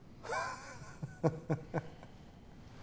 ハハハハ。